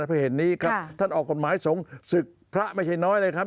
ให้เห็นนี้ครับท่านออกกฎหมายสงฆ์ศึกพระไม่ใช่น้อยเลยครับ